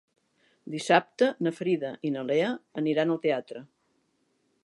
Dissabte na Frida i na Lea aniran al teatre.